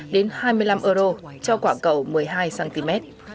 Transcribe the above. đến hai mươi năm euro cho quả cầu một mươi hai cm